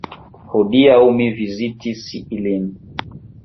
Hodiaŭ mi vizitis ilin.